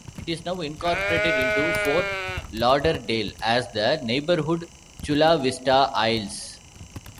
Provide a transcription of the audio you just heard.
It is now incorporated into Fort Lauderdale, as the neighborhood, Chula Vista Isles.